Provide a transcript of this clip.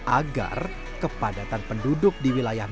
agar kepadatan penduduk di wilayah